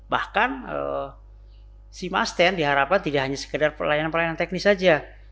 bahkan si masten diharapkan tidak hanya sekedar pelayanan pelayanan teknis saja